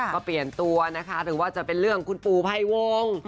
ก็เปลี่ยนตัวนะคะหรือว่าจะเป็นเรื่องคุณปู่ภัยวง